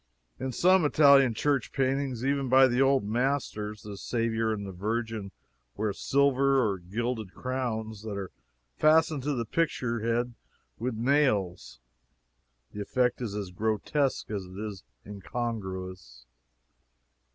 In some Italian church paintings, even by the old masters, the Saviour and the Virgin wear silver or gilded crowns that are fastened to the pictured head with nails. The effect is as grotesque as it is incongruous.